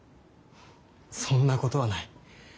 そんなことはない。